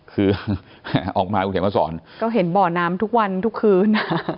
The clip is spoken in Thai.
คือออกมาคุณเขียนมาสอนก็เห็นบ่อน้ำทุกวันทุกคืนอ่ะ